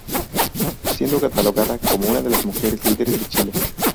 Siendo catalogada como una de las "mujeres líderes de Chile".